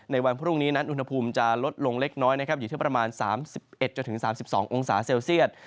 วันพรุ่งนี้นั้นอุณหภูมิจะลดลงเล็กน้อยนะครับอยู่ที่ประมาณ๓๑๓๒องศาเซลเซียต